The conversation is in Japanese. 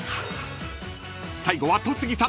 ［最後は戸次さん］